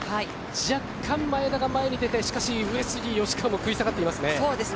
若干、前田が前に出てしかし、上杉、吉川も食い下がっていますね。